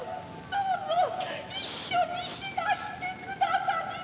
どうぞ一緒に死なしてくださりませ。